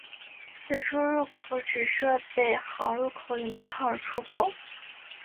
此出入口只设北行入口与南行出口。